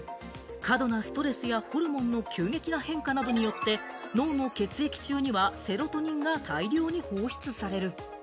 過度なストレスやホルモンの急激な変化などによって、脳の血液中にはセロトニンが大量に放出される。